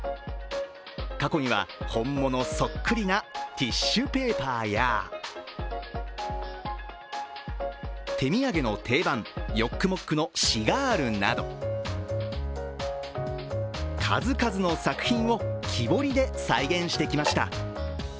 過去には、本物そっくりなティッシュペーパーや手土産の定番・ヨックモックのシガールなど数々の作品を木彫りで再現してきました。